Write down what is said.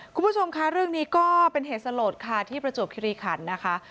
คุณผู้ชมค่ะเรื่องนี้ก็เป็นเหตุสลดค่ะที่ประจวบคิริขันนะคะ